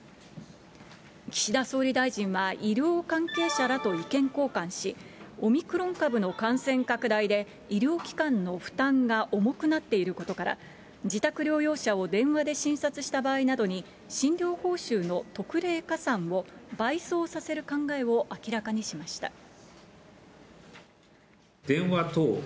岸田総理大臣は医療関係者らと意見交換し、オミクロン株の感染拡大で、医療機関の負担が重くなっていることから、自宅療養者を電話で診察した場合などに診療報酬の特例加算を倍増させる考えを明らかにしました。